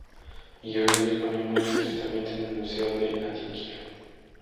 Y hoy se expone muy discretamente en el Museo de Antioquia.